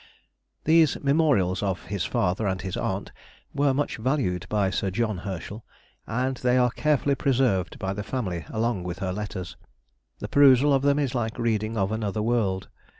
These memorials of his father and his aunt were much valued by Sir John Herschel, and they are carefully preserved by the family along with her letters. The perusal of them is like reading of another world.